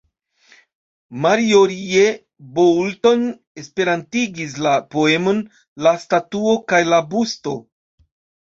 Marjorie Boulton esperantigis la poemon "La Statuo kaj la Busto".